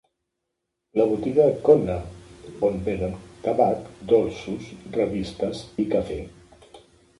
La botiga Connah, on venen tabac, dolços, revistes i cafè.